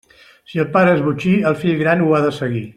Si el pare és botxí, el fill gran ho ha de seguir.